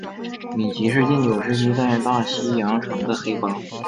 米奇是禁酒时期在大西洋城的黑帮。